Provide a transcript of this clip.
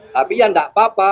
tapi ya nggak apa apa